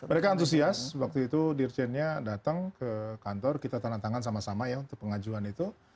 mereka antusias waktu itu dirjennya datang ke kantor kita tanda tangan sama sama ya untuk pengajuan itu